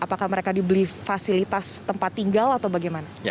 apakah mereka dibeli fasilitas tempat tinggal atau bagaimana